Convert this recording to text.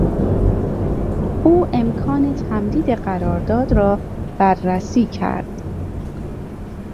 او امکان تمدید قرارداد را بررسی کرد.